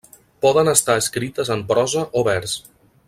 Poden estar escrites en prosa o vers.